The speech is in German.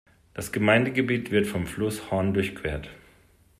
Das Gemeindegebiet wird von Fluss Horn durchquert.